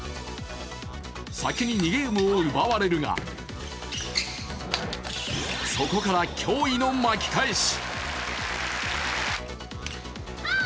先に２ゲームを奪われるが、そこから驚異の巻き返し。